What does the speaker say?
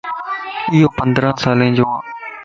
ايو پندران سالين جوَ